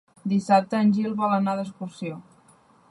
Dissabte en Gil vol anar d'excursió.